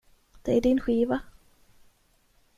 Det är din skiva.